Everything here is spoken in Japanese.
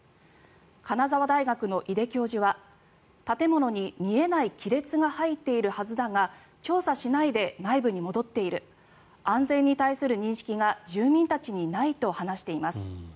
金沢大学の井出教授は建物に見えない亀裂が入っているはずだが調査しないで内部に戻っている安全に対する認識が住民たちにないと話しています。